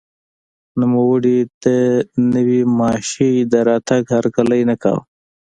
نوموړي د نوې ماشیۍ د راتګ هرکلی نه کاوه.